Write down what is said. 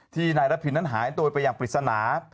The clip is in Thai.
ที่นายรภินทร์นั้นหายตัวไปอย่างปริศนา